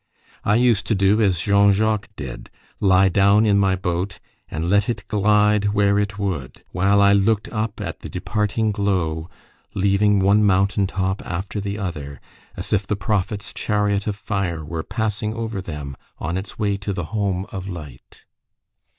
I used to do as Jean Jacques did lie down in my boat and let it glide where it would, while I looked up at the departing glow leaving one mountain top after the other, as if the prophet's chariot of fire were passing over them on its way to the home of light.